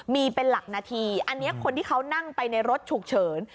มีเป็นหลักนาทีอันนี้คนที่เขานั่งไปในรถฉุกเฉิน